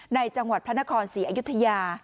จังหวัดพระนครศรีอยุธยา